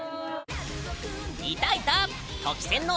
いたいた！